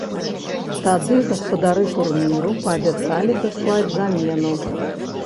Тады гаспадары турніру паабяцалі даслаць замену.